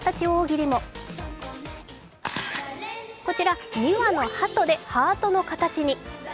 大喜利もこちら２羽のはとでハートの形に。